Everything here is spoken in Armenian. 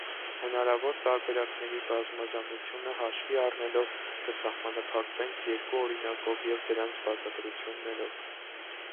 Հնարավոր տարբերակների բազմազանությունը հաշվի առնելով, կսահմանափակվենք երկու օրինակով և դրանց բացատրություններով։